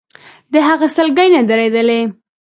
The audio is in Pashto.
د هغه سلګۍ نه درېدلې.